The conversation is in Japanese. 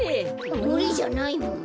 むりじゃないもん。